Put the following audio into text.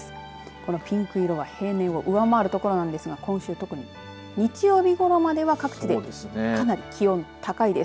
このピンク色は平年を上回るところなんですが今週、特に日曜日ごろまでは各地でかなり気温、高いです。